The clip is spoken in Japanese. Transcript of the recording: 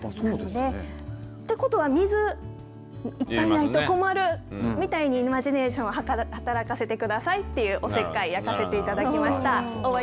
なので、ということは水いっぱいないと困るみたいにイマジネーションを働かせてくださいというおせっかい焼かせていただきました。